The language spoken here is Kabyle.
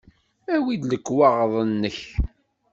Awi-d lekwaɣeḍ-nnek.